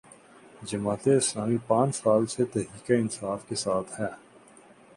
جماعت اسلامی پانچ سال سے تحریک انصاف کے ساتھ ہے۔